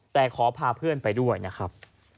แต่ขอพาเพื่อนไปด้วยนะครับ